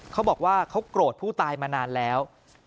เขาบอกว่าเขาโกรธผู้ตายมานานแล้ว